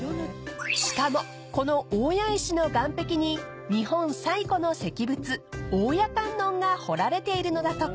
［しかもこの大谷石の岸壁に日本最古の石仏大谷観音が彫られているのだとか］